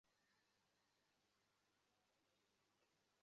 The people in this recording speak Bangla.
আর সেখানেও ভারত হইতে এই তত্ত্বের অন্তত কিছু অংশ প্রবেশ করা চাই।